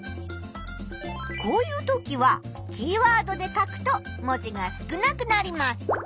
こういうときはキーワードで書くと文字が少なくなります。